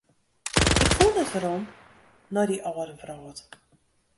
Ik woe net werom nei dy âlde wrâld.